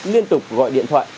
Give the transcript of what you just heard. liên tục gọi điện thoại